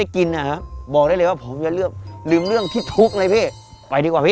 จริงนะพี่